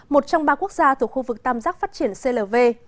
một trong ba quốc gia thuộc khu vực tam giác phát triển clv